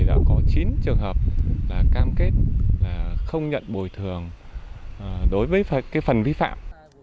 đã có chín trường hợp cam kết không nhận bồi thường đối với phần vi phạm